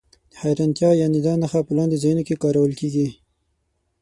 د حېرانتیا یا ندا نښه په لاندې ځایونو کې کارول کیږي.